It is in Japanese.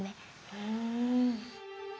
うん。